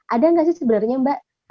ada nggak sih sebenarnya mbak